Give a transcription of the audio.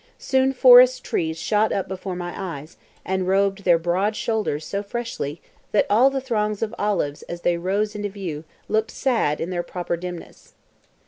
Soon forest trees shot up before my eyes, and robed their broad shoulders so freshly, that all the throngs of olives as they rose into view looked sad in their proper dimness.